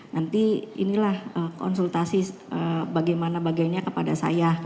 nanti inilah konsultasi bagaimana bagainya kepada saya